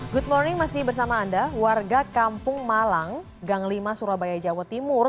good morning masih bersama anda warga kampung malang gang lima surabaya jawa timur